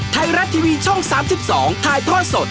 ไทยรัฐทีวีช่อง๓๒ถ่ายทอดสด